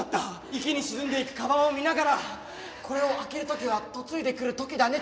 池に沈んでいく鞄を見ながらこれを開ける時は嫁いでくる時だねって笑ってた。